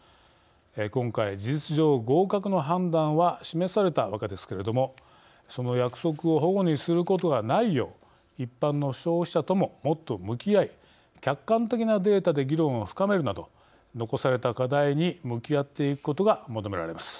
今回事実上合格の判断は示されたわけですけれどもその約束をほごにすることがないよう一般の消費者とももっと向き合い客観的なデータで議論を深めるなど残された課題に向き合っていくことが求められます。